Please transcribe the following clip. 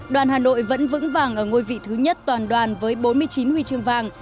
đoàn hà nội vẫn vững vàng ở ngôi vị thứ nhất toàn đoàn với bốn mươi chín huy chương vàng